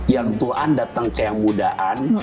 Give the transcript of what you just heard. yang tuhan datang ke yang mudaan